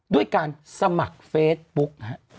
ด้วยการสมัครเฟซบุ๊กฮะ